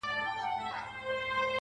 روح مي لا ورک دی، روح یې روان دی~